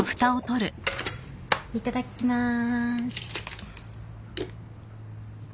いただきまーす。